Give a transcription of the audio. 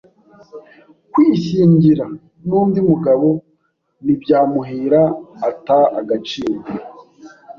kwishyingira n’undi mugabo ntibyamuhira ata agaciro